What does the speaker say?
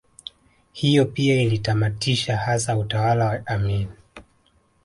Hiyo pia ilitamatisha hasa utawala wa Amin